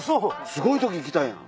すごい時来たやん。